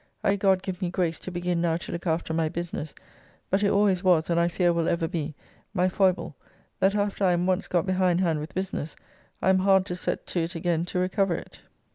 I pray God give me grace to begin now to look after my business, but it always was, and I fear will ever be, my foible that after I am once got behind hand with business, I am hard to set to it again to recover it.